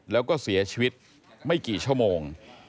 แล้วก็เสียชีวิตไม่กี่ชั่วโมง